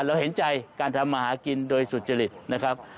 เราเห็นใจการทำมาหากินโดยสุจริตนะครับ